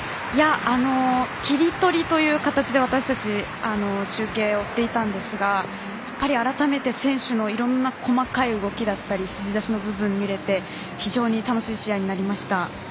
切り取りという形で私たち中継を追っていたんですが改めて選手のいろんな細かい動きだったり指示出しの部分が見れて非常に楽しい試合になりました。